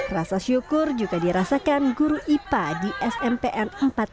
rasa syukur juga dirasakan guru ipa di smpn empat puluh lima